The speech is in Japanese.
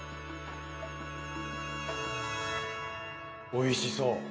おいしそう。